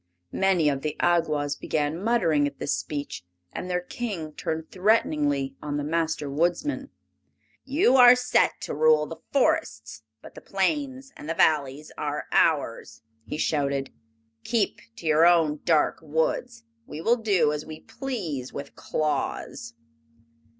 Many of the Awgwas began muttering at this speech, and their King turned threateningly on the Master Woodsman. "You are set to rule the forests, but the plains and the valleys are ours!" he shouted. "Keep to your own dark woods! We will do as we please with Claus."